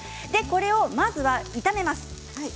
これをまずは炒めます。